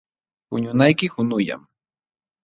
Puñunayki qunullam.